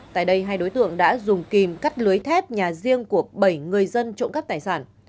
tại đây hai đối tượng đã dùng kìm cắt lưới thép nhà riêng của bảy người dân trộm cắp tài sản